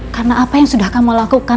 karena apa yang sudah kamu lakukan